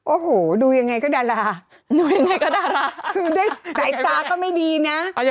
โอ้โหดูยังไงก็ดาลาตายสตาก็ไม่ดีนะ